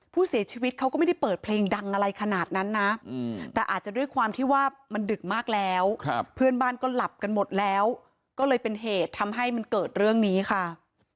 ผู้เสียชีวิตเขาก็ไม่ได้เปิดเพลงดังอะไรขนาดนั้นนะแต่อาจจะด้วยความที่ว่ามันดึกมากแล้วเพื่อนบ้านก็หลับกันหมดแล้วก็เลยเป็นเหตุทำให้มันเกิดเรื่องนี้ค่ะ